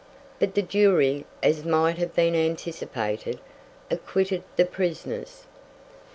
But the jury, as might have been anticipated, acquitted the prisoners.